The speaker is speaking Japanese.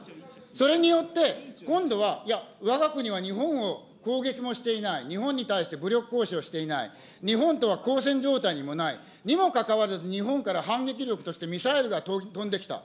それによって今度は、いや、わが国は日本を攻撃をしていない、日本に対して武力行使をしていない、日本とは交戦状態にもないにもかかわらず、日本から反撃力としてミサイルが飛んできた。